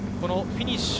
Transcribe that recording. フィニッシュ。